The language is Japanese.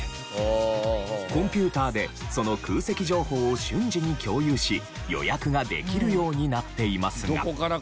コンピューターでその空席情報を瞬時に共有し予約ができるようになっていますが。